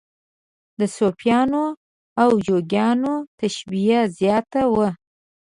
د صوفیانو او جوګیانو تشبیه زیاته وه.